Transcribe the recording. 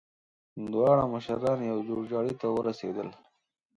دواړه مشران يوه جوړجاړي ته ورسېدل.